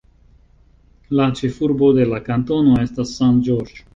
La ĉefurbo de la kantono estas St. George.